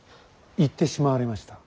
行ってしまわれました。